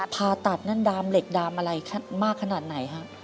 ผ่าตัดนั่นดามเหล็กดามอะไรมากขนาดไหนฮะ